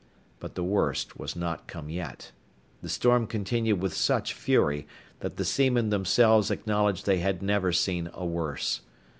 But the worst was not come yet; the storm continued with such fury that the seamen themselves acknowledged they had never seen a worse.